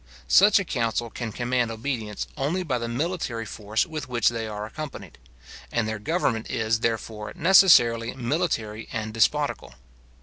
Such a council can command obedience only by the military force with which they are accompanied; and their government is, therefore, necessarily military and despotical.